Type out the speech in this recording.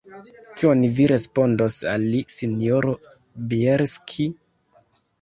Kion vi respondos al li, sinjoro Bjelski?